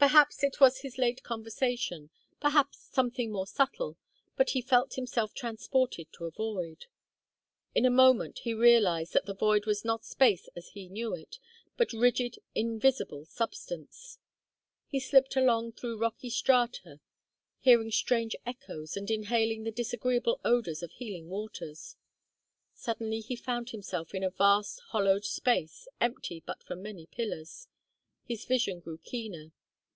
Perhaps it was his late conversation, perhaps something more subtle, but he felt himself transported to a void. In a moment he realized that the void was not space as he knew it, but rigid invisible substance. He slipped along through rocky strata, hearing strange echoes and inhaling the disagreeable odors of healing waters. Suddenly he found himself in a vast hollowed space, empty but for many pillars. His vision grew keener.